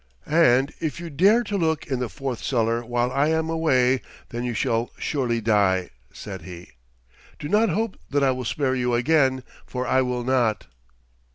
"And if you dare to look in the fourth cellar while I am away, then you shall surely die," said he. "Do not hope that I will spare you again, for I will not."